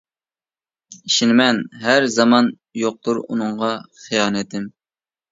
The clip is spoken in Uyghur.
ئىشىنىمەن ھەر زامان، يوقتۇر ئۇنىڭغا خىيانىتىم.